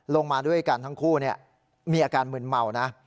ลงมาด้วยกันทั้งคู่เนี่ยมีอาการเหมือนเมานะ